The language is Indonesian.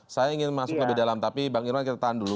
saya ingin masuk lebih dalam tapi bang irwan kita tahan dulu